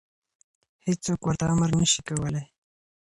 هېڅوک ورته امر نشي کولی.